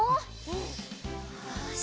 よし！